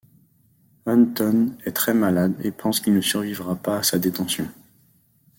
Hunton est très malade et pense qu'il ne survivra pas à sa détention.